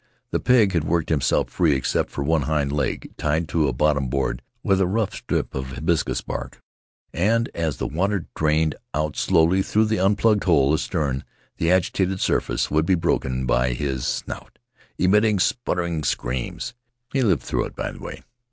The pig had worked himself free except for one hind leg, tied to a bottom board with a rough strip of hibiscus bark, and as the water drained out slowly through the unplugged hole astern the agitated surface would be broken by his Faery Lands of the South Seas snout, emitting sputtering screams. He lived through it, by the way.